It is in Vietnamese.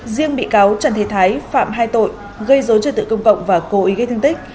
riêng bị cáo trần thế thái phạm hai tội gây dối trật tự công cộng và cố ý gây thương tích